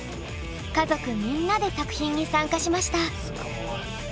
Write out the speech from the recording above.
家族みんなで作品に参加しました。